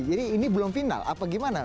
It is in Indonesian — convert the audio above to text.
jadi ini belum final apa gimana